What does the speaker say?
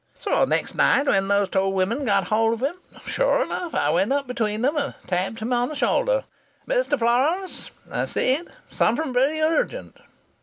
"So the next night when those women got hold of him, sure enough I went up between them and tapped him on the shoulder. 'Mr. Florance,' I said. 'Something very urgent.'